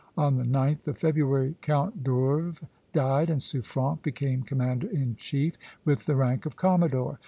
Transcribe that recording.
On the 9th of February Count d'Orves died, and Suffren became commander in chief, with the rank of commodore.